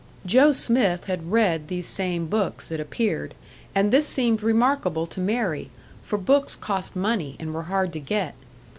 Joe Smith had read these same books, it appeared; and this seemed remarkable to Mary, for books cost money and were hard to get.